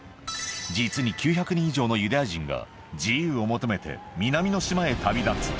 実に９００人以上のユダヤ人が、自由を求めて南の島へ旅立つ。